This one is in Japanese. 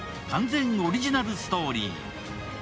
完全オリジナルストーリー。